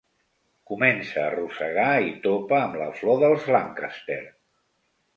Comença a rosegar i topa amb la flor dels Lancaster.